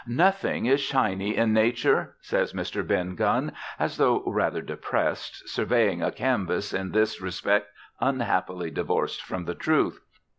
"Nothing is shiny in Nature," says Mr. Ben Gunn as though rather depressed, surveying a canvas in this respect unhappily divorced from the truth.